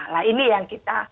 nah ini yang kita